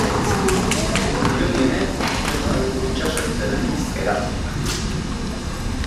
Dirudienez, itsasoak itsasertzeraino eraman zuen.